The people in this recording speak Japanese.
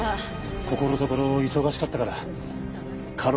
ここのところ忙しかったから過労ですよ。